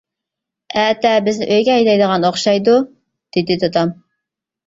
-ئەتە بىزنى ئۆيگە ھەيدەيدىغان ئوخشايدۇ دېدى دادام.